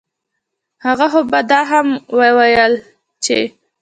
هغه خو به دا هم وييل چې